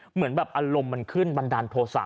เหมือนแบบอารมณ์มันขึ้นบันดาลโทษะ